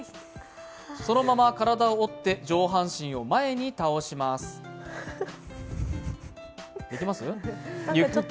そのまま体を折って上半身を前に倒します。